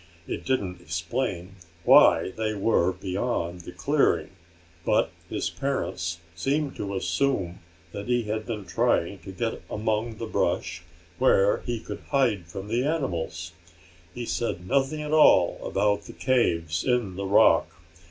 It didn't explain why they were beyond the clearing, but his parents seemed to assume that he had been trying to get among the brush where he could hide from the animals. He said nothing at all about the caves in the rock.